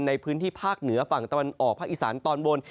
ในพื้นที่ภาคเหนือฝั่งตะวันออกภาคอีสานตอนบน